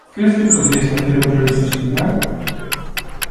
Crees que poderías facer outra lista similar?